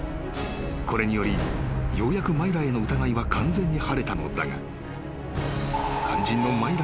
［これによりようやくマイラへの疑いは完全に晴れたのだが肝心の］